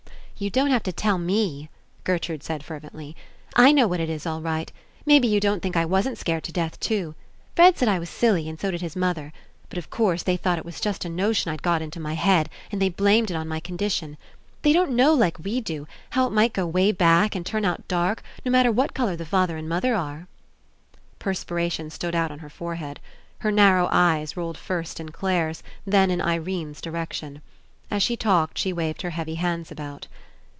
"You don't have to tell me !" Gertrude said fervently. ''I know what it is all right. Maybe you don't think I wasn't scared to death too. Fred said I was silly, and so did his mother. But, of course, they thought it was just a no tion I'd gotten into my head and they blamed it on my condition. They don't know like we do, how it might go way back, and turn out dark no matter what colour the father and mother are." Perspiration stood out on her forehead. Her narrow eyes rolled first in Clare's, then in Irene's direction. As she talked she waved her heavy hands about.